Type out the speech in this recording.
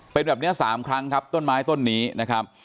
เป็นแบบนี้๓ครั้งครับต้นไม้ต้นนี้นะครับ